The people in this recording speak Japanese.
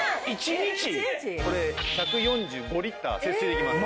これ１４５リッター節水できます。